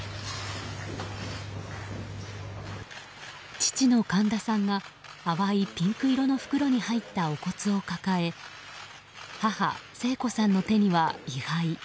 父の神田さんは淡いピンク色の袋に入ったお骨を抱え母・聖子さんの手には位牌。